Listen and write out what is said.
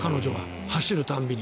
走る度に。